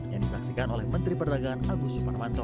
yang disaksikan oleh menteri perdagangan agus suparmanto